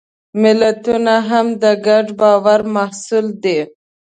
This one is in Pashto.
ملتونه هم د ګډ باور محصول دي.